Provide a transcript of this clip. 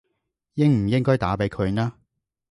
應唔應該打畀佢呢